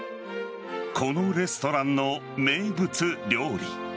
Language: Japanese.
このレストランの名物料理。